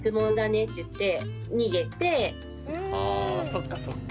そっかそっか。